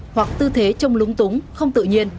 hoặc tư thế trông lúng túng không tự nhiên